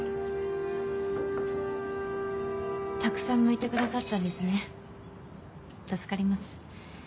たくさんむいてくださったんですね助かります。